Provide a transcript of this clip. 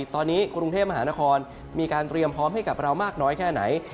ตอนนี้กรุงเทพมหานครมีการเตรียมพร้อมให้กับเรามากน้อยแค่ไหน